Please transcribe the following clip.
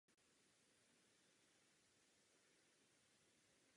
Děkuji, že jste na to upozornila.